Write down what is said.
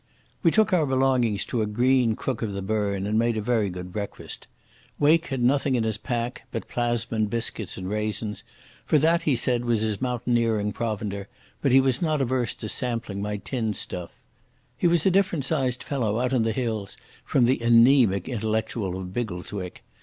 We took our belongings to a green crook of the burn, and made a very good breakfast. Wake had nothing in his pack but plasmon biscuits and raisins, for that, he said, was his mountaineering provender, but he was not averse to sampling my tinned stuff. He was a different sized fellow out in the hills from the anaemic intellectual of Biggleswick.